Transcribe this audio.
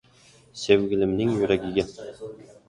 Sevgilimning yuragiga